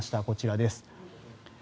こちらです。